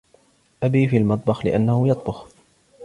أبي في المطبخ لأنه يطبخ.